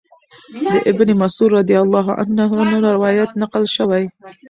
د ابن مسعود رضی الله عنه نه روايت نقل شوی